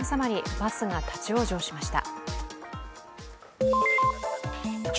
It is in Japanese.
バスが立往生しました。